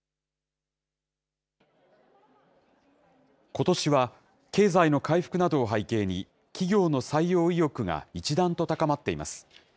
ことしは、経済の回復などを背景に、企業の採用意欲が一段と高まっています。